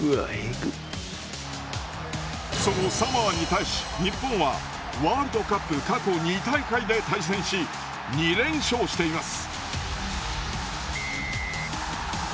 そのサモアに対し日本はワールドカップ過去２大会で対戦し２連勝しています。